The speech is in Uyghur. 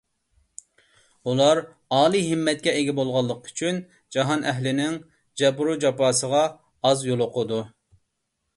ئۇلار ئالىي ھىممەتكە ئىگە بولغانلىقى ئۈچۈن، جاھان ئەھلىنىڭ جەبرۇ جاپاسىغا ئاز يولۇقىدۇ.